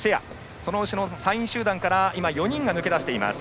その後ろの３位集団から４人が抜け出しています。